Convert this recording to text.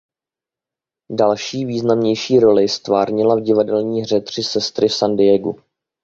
Další významnější roli ztvárnila v divadelní hře Tři sestry v San Diegu.